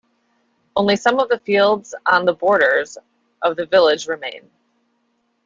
Only some fields on the borders of the village remain.